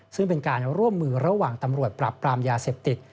ซึ่งเป็นการร่วมมือระหว่างตำรวจปรับปรามยาเสพติด